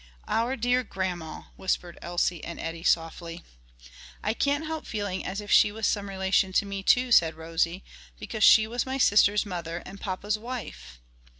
"Our dear grandma!" whispered Elsie and Eddie, softly. "I can't help feeling as if she was some relation to me too," said Rosie, "because she was my sister's mother, and papa's wife."